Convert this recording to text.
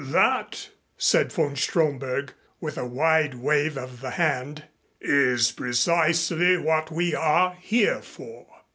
"That," said von Stromberg, with a wide wave of the hand, "is precisely what we are here for."